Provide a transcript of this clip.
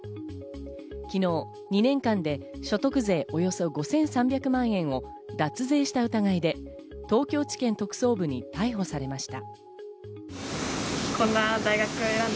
昨日、２年間で所得税およそ５３００万円を脱税した疑いで東京地検特捜部に逮捕されました。